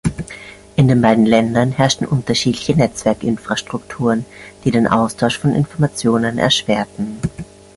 In den beiden Ländern herrschten unterschiedliche Netzwerk-Infrastrukturen, die den Austausch von Informationen erschwerten.